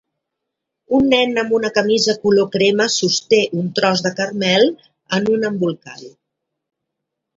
Un nen amb una camisa color crema sosté un tros de caramel en un embolcall.